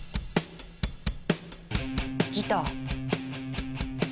ギター。